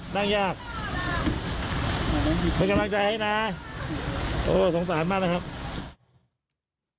นั่งยากเป็นกำลังใจให้นะโอ้สงสารมากนะครับ